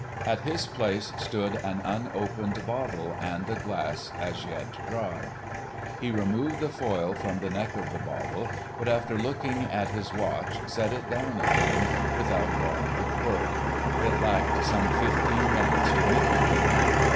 At his place stood an unopened bottle and a glass as yet dry. He removed the foil from the neck of the bottle, but after looking at his watch, set it down again without drawing the cork. It lacked some fifteen minutes to midnight.